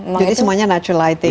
jadi semuanya natural lighting